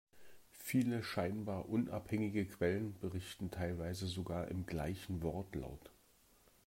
Viele scheinbar unabhängige Quellen, berichten teilweise sogar im gleichen Wortlaut.